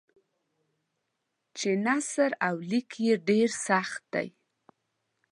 چې نثر او لیک یې ډېر سخت دی.